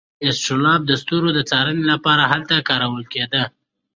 اسټرولاب د ستورو د څارنې لپاره هلته کارول کیده.